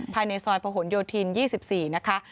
ภายในซอยพย๒๔นะคะ